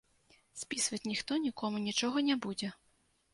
Спісваць ніхто нікому нічога не будзе.